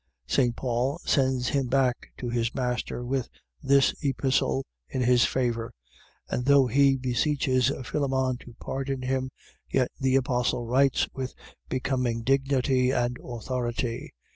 St. Paul sends him back to his master with this Epistle in his favour: and though he beseeches Philemon to pardon him, yet the Apostle writes with becoming dignity and authority.